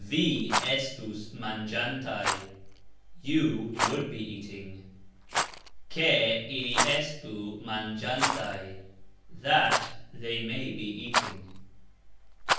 Vi estus mangxantaj ......... You would be eating. (Ke) ili estu mangxantaj .... (That) they may be eating.